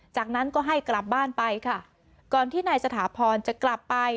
จากนั้นก็ให้กลับบ้านไปค่ะก่อนที่นายสถาพรจะกลับไป